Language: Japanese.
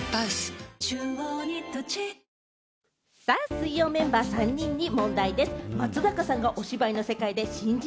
水曜メンバー３人に問題です。